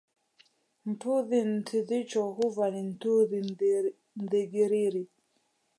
Ntudhi ndhicho huva ni ntudhi rigirigi.